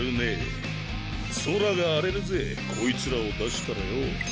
宇宙が荒れるぜこいつらを出したらよぉ。